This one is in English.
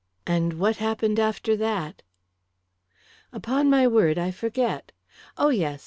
"And what happened after that?" "Upon my word I forget. Oh, yes.